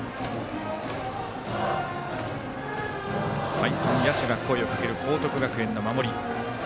再三、野手が声をかける報徳学園の守り。